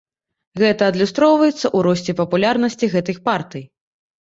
Гэта адлюстроўваецца ў росце папулярнасці гэтых партый.